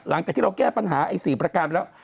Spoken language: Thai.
หลังจากที่เราแก้ปัญหาไอ้๔ประการไปแล้ว